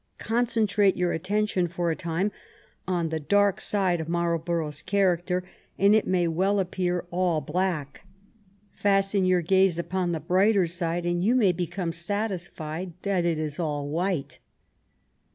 Concentrate your attention for a time on the dark side of Marlborough's character, and it may well appear all black — ^fasten your gaze upon the brighter side, and you may become satisfied that it is all white.